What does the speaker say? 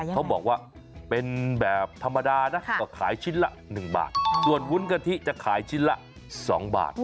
เขาบอกว่าเป็นแบบธรรมดานะก็ขายชิ้นละ๑บาทส่วนวุ้นกะทิจะขายชิ้นละ๒บาท